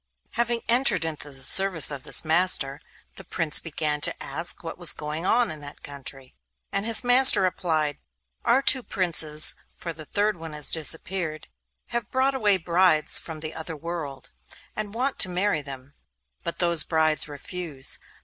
Having entered into the service of this master, the Prince began to ask what was going on in that country. And his master replied: 'Our two Princes—for the third one has disappeared—have brought away brides from the other world, and want to marry them, but those brides refuse.